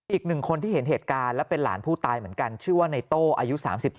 อีกหนึ่งคนที่เห็นเหตุการณ์และเป็นหลานผู้ตายเหมือนกันชื่อว่าในโต้อายุ๓๒